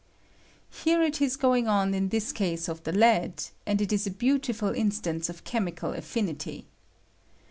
Here it is going on in this case of the lead, and it is a beautiful instance of chemical affinity.